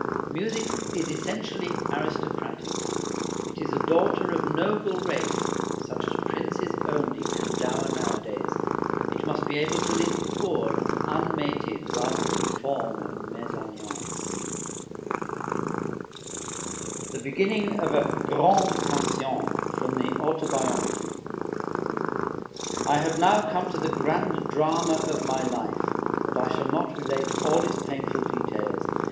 Music is essentially aristocratic; it is a daughter of noble race, such as princes only can dower nowadays; it must be able to live poor and unmated rather than form a mésalliance. THE BEGINNING OF A "GRAND PASSION" From the Autobiography I have now come to the grand drama of my life; but I shall not relate all its painful details.